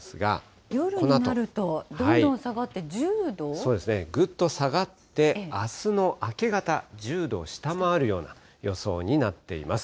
夜になるとどんどん下がって、そうですね、ぐっと下がって、あすの明け方、１０度を下回るような予想になっています。